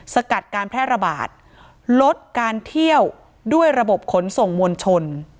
สกัดการแพร่ระบาดลดการเที่ยวด้วยระบบขนส่งมวลชน